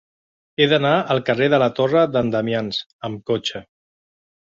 He d'anar al carrer de la Torre d'en Damians amb cotxe.